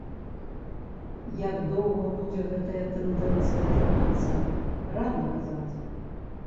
Як доўга будзе гэтая тэндэнцыя трымацца, рана казаць.